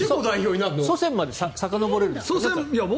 祖先までさかのぼれるんですか？